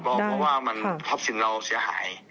เพราะว่ามันพับสิ่งเราเสียหาย